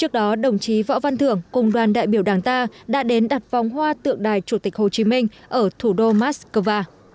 trước đó đồng chí võ văn thưởng cùng đoàn đại biểu đảng ta đã đến đặt vòng hoa tượng đài chủ tịch hồ chí minh ở thủ đô moscow